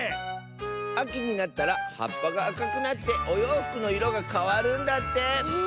あきになったらはっぱがあかくなっておようふくのいろがかわるんだって！